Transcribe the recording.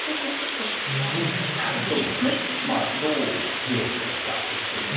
どう手を入れるかですけれども。